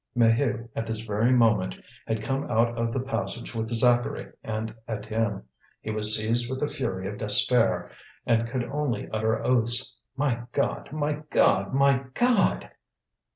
Maheu, at this very moment, had come out of the passage with Zacharie and Étienne. He was seized with the fury of despair, and could only utter oaths: "My God! my God! my God!"